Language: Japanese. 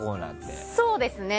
そうですね。